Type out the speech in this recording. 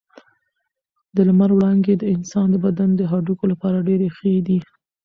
د لمر وړانګې د انسان د بدن د هډوکو لپاره ډېرې ښې دي.